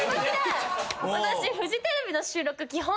私フジテレビの収録基本